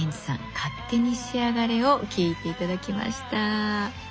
「勝手にしやがれ」を聴いて頂きました。